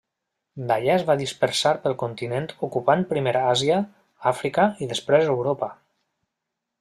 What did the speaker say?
D'allà es va dispersar pel continent ocupant primer Àsia, Àfrica i després Europa.